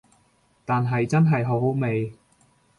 但係真係好好味